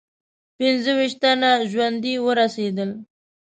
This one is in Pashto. پنځه ویشت تنه ژوندي ورسېدل.